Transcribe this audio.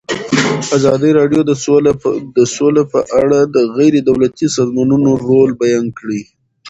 ازادي راډیو د سوله په اړه د غیر دولتي سازمانونو رول بیان کړی.